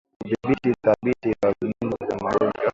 Udhibiti thabiti wa vijidudu vya magonjwa